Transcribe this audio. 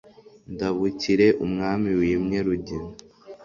ndabukire umwami wimye rugina